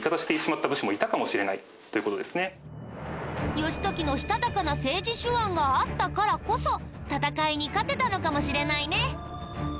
義時のしたたかな政治手腕があったからこそ戦いに勝てたのかもしれないね。